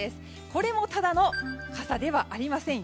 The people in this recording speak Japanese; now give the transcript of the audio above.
これもただの傘ではありません。